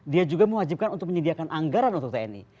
dia juga mewajibkan untuk menyediakan anggaran untuk tni